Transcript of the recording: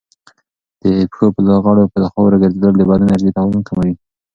د پښو په لغړو په خاورو ګرځېدل د بدن انرژي توازن کوي.